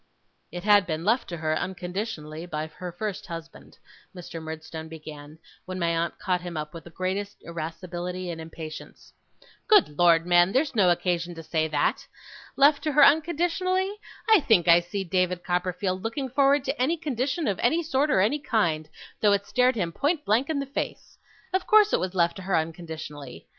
'It had been left to her, unconditionally, by her first husband,' Mr. Murdstone began, when my aunt caught him up with the greatest irascibility and impatience. 'Good Lord, man, there's no occasion to say that. Left to her unconditionally! I think I see David Copperfield looking forward to any condition of any sort or kind, though it stared him point blank in the face! Of course it was left to her unconditionally.